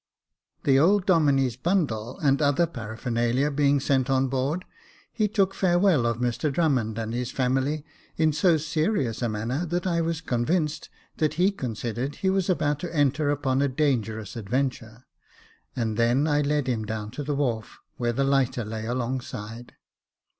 The old Domine's bundle and other paraphernalia being sent on board, he took farewell of Mr Drummond and his family in so serious a manner, that I was convinced that he considered he was about to enter upon a dangerous adventure, and then I led him down to the wharf where the lighter lay alongside.